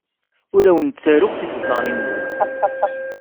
Ur awen-ttaruɣ tiṣeddarin-nwen.